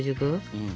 うん。